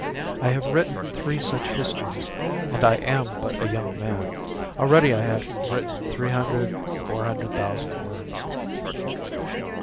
I have written three such histories and I am but a young man. Already I have written three hundred, four hundred thousand words.